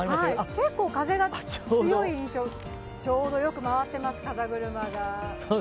結構風が強い印象、風車がちょうどよく回っています。